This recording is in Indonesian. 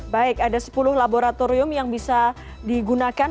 baik ada sepuluh laboratorium yang bisa digunakan